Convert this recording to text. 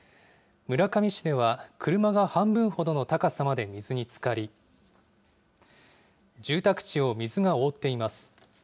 村上市では、車が半分ほどの高さまで水につかり、住宅地を水が覆っています。